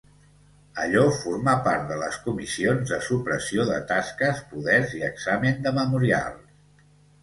Allò formà part de les comissions de supressió de tasques, poders i examen de memorials.